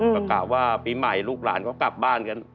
ประกาศว่าปีใหม่ลูกหลานเขากลับบ้านกัน